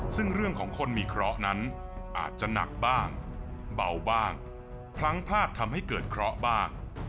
ซึ่งเรื่องของคนมีเคราะห์นั้นอาจจะหนักบ้างเบาบ้างพลั้งพลาดทำให้เกิดเคราะห์บ้าง